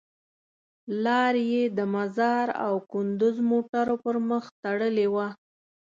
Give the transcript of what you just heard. لار یې د مزار او کندوز موټرو پر مخ تړلې وه.